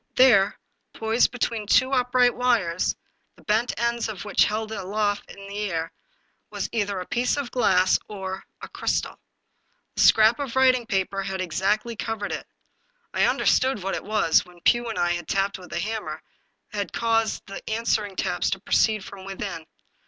There, poised between two upright wires, the bent ends of which held it aloft in the air, was either a piece of glass 253 English Mystery Stories or — 2L crystal. The scrap of writing paper had exactly cov ered it I understood what it was, when Pugh and I had tapped with the hammer, had caused the answering taps to proceed from within.